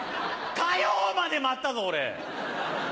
火曜まで待ったぞ俺！